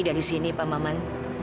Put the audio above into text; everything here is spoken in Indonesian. dari sini pak maman